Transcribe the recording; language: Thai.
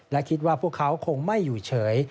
และคิดว่าพวกเขาคงไม่อยู่เฉย